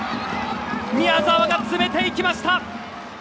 宮澤が詰めていきました！